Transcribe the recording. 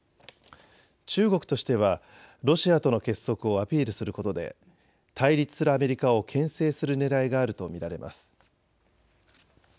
中国としてはロシアとの結束をアピールすることで対立するアメリカをけん制するねらいがあると見られます。